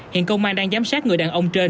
hiện công an đang giám sát người đàn ông trên